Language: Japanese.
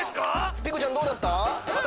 ピコちゃんどうだった？